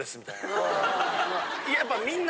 やっぱみんな。